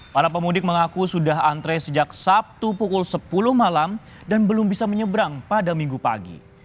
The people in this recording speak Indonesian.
para pemudik mengaku sudah antre sejak sabtu pukul sepuluh malam dan belum bisa menyeberang pada minggu pagi